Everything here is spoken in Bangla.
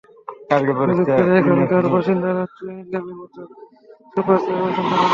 সুযোগ পেলেই এখানকার বাসিন্দারা চুইং গামের মতো সুপারি চিবোতে পছন্দ করেন।